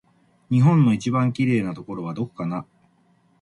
日本の一番きれいなところはどこかな